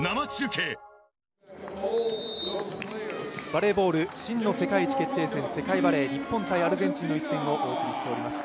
バレーボール真の世界一決定戦、世界バレー日本×アルゼンチンの一戦をお送りしております。